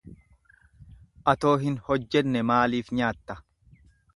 Atoo hin hojjenne maaliif nyaatta?